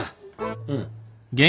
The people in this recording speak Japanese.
うん。